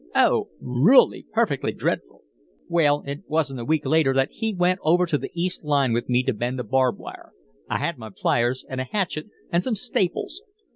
Oh! Rully, perfectly dreadful!' "Well, it wasn't a week later that he went over to the east line with me to mend a barb wire. I had my pliers and a hatchet and some staples.